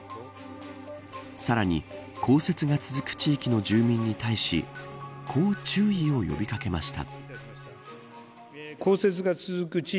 さらに降雪が続く地域の住民に対しこう注意を呼び掛けました。